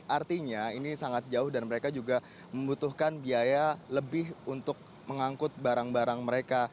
artinya ini sangat jauh dan mereka juga membutuhkan biaya lebih untuk mengangkut barang barang mereka